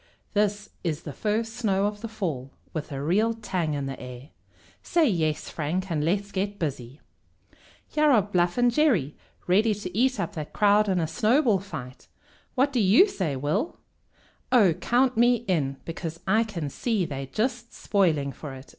This is the first snow of the fall, with a real tang in the air. Say yes, Frank, and let's get busy!" "Here are Bluff and Jerry ready to eat up that crowd in a snowball fight. What do you say, Will?" "Oh, count me in, because I can see they're just spoiling for it!"